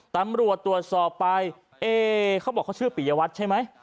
ตำรวจตรวจสอบไปเอ๊เขาบอกเขาชื่อปิยวัตรใช่ไหม